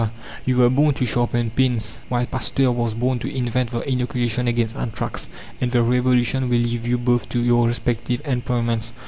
You were born to sharpen pins while Pasteur was born to invent the inoculation against anthrax, and the Revolution will leave you both to your respective employments.